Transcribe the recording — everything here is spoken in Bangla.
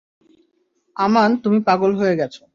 আমান তুমি পাগল হয়ে গেছ।